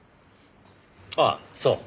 ああそう。